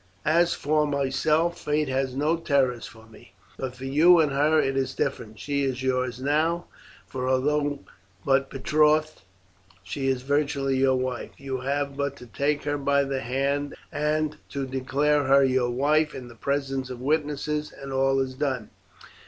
As for myself, fate has no terrors for me; but for you and her it is different. She is yours now, for although but betrothed she is virtually your wife. You have but to take her by the hand and to declare her your wife in the presence of witnesses, and all is done.